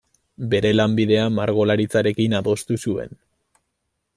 Bere lanbidea margolaritzarekin adostu zuen.